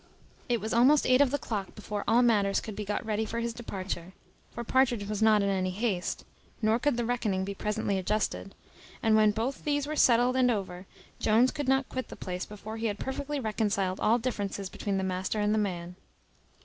It was almost eight of the clock before all matters could be got ready for his departure: for Partridge was not in any haste, nor could the reckoning be presently adjusted; and when both these were settled and over, Jones would not quit the place before he had perfectly reconciled all differences between the master and the man.